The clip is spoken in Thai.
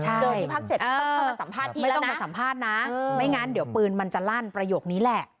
ใช่ไม่ต้องมาสัมภาษณ์นะไม่งั้นเดี๋ยวปืนมันจะลั่นประโยคนี้แหละ